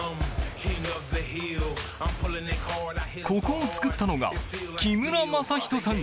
ここを作ったのが木村將人さん。